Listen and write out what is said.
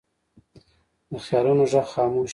د خیالونو غږ خاموش وي